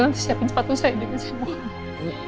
nanti siapin sepatu saya juga